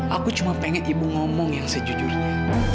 aku cuma pengen ibu ngomong yang sejujurnya